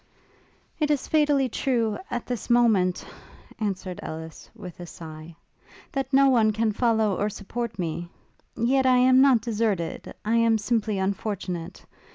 'It is fatally true, at this moment,' answered Ellis, with a sigh, 'that no one can follow or support me; yet I am not deserted I am simply unfortunate.